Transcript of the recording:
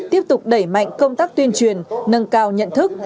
tiếp tục đẩy mạnh công tác tuyên truyền nâng cao nhận thức